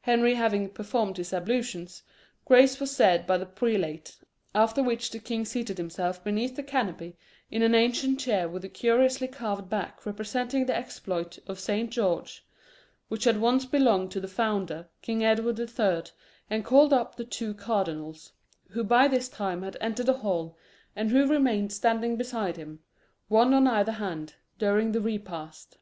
Henry having performed his ablutions, grace was said by the prelate, after which the king seated himself beneath the canopy in an ancient chair with a curiously carved back representing the exploit of Saint George, which had once belonged to the founder, King Edward the Third, and called up the two cardinals, who by this time had entered the hall, and who remained standing beside him, one on either hand, during the repast.